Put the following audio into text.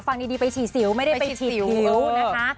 ฟังดีไปฉี่สิวไม่ได้ไปฉีกผิวนะคะ